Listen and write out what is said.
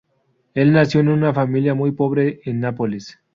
Él nació en una familia muy pobre en Nápoles.